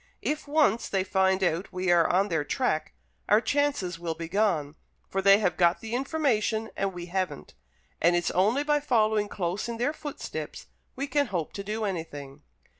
If once they find out we are on their track, our chances will be gone, for they have got the information and we haven't; and it's only by following close in their footsteps we can hope to do anything."